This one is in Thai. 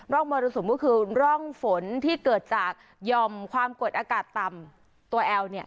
มรสุมก็คือร่องฝนที่เกิดจากยอมความกดอากาศต่ำตัวแอลเนี่ย